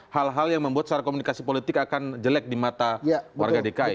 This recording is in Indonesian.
hal hal yang membuat secara komunikasi politik akan jelek di mata warga dki